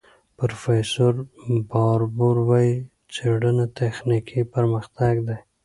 پروفیسور باربور وايي، څېړنه تخنیکي پرمختګ دی.